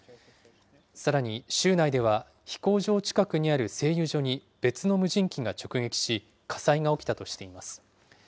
さらに州内では、飛行場近くにある製油所に別の無人機が直撃し、火災が起きたとしています。